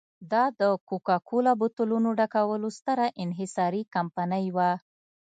دا د کوکا کولا بوتلونو ډکولو ستره انحصاري کمپنۍ وه.